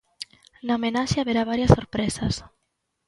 Na homenaxe haberá varias sorpresas.